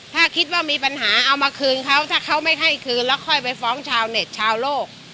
ถ้าคิดว่ามีปัญหาเอามาคืนเขาถ้าเขาไม่ให้คืนแล้วค่อยไปฟ้องชาวเน็ตชาวโลก